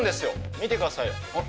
見てください。